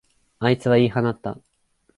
あいつは言い放った。